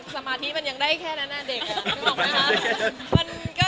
สมาธิมันยังได้แค่นานาเด็ก